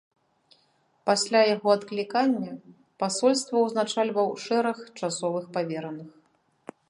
Пасля яго адклікання пасольства ўзначальваў шэраг часовых павераных.